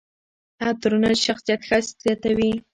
عطرونه د شخصیت ښایست زیاتوي.